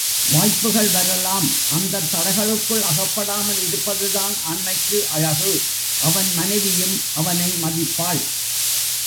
வாய்ப்புகள் வரலாம் அந்தத் தளைகளுள் அகப்படாமல் இருப்பதுதான் ஆண்மைக்கு அழகு அவன் மனைவியும் அவனை மதிப்பாள்.